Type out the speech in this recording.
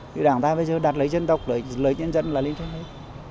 thì đảng ta bây giờ đạt lợi ích dân tộc lợi ích nhân dân là lợi ích dân tộc